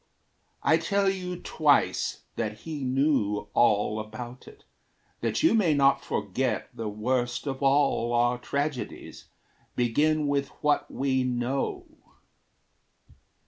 I tell you twice that he knew all about it, That you may not forget the worst of all Our tragedies begin with what we know.